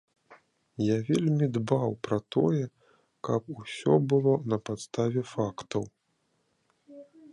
Я вельмі дбаў пра тое, каб ўсё было на падставе фактаў.